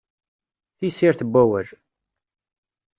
Tissirt n wawal!